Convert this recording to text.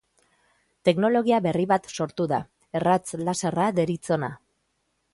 Teknologi berri bat sortu da erratz-laserra deritzona.